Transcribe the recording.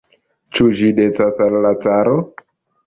Ĉu ĝi decas al la caro?